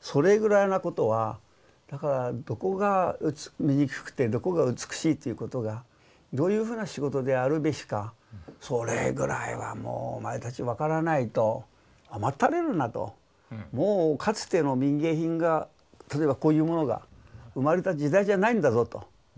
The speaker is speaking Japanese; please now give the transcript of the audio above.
それぐらいなことはだからどこが醜くてどこが美しいっていうことがどういうふうな仕事であるべきかそれぐらいはもうお前たち分からないと甘ったれるなともうかつての民藝品が例えばこういうものが生まれた時代じゃないんだぞと。